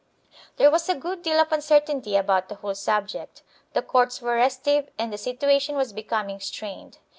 2 There was a good deal of uncertainty about the whole subject; the courts were restive and the situation was becoming strained.